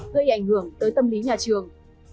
gây ảnh hưởng tới tâm lý nhà trường